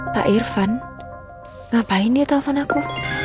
pak irfan ngapain dia telpon aku